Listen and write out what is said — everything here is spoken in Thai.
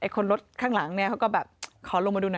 คนรถข้างหลังเนี่ยเขาก็แบบขอลงมาดูหน่อย